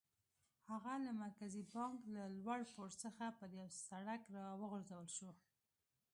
هغه له مرکزي بانک له لوړ پوړ څخه پر سړک را وغورځول شو.